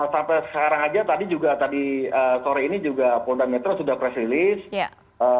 sampai sekarang aja tadi juga tadi sore ini juga polda metro sudah press release